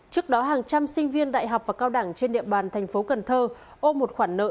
trước đó hàng trăm sinh viên đại học và cao đẳng trên địa bàn thành phố cần thơ ôm một khoản nợ